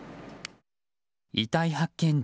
遺体発見